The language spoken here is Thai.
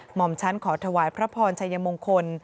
หมอมชั้นขอถวายพระพรชัยมงคล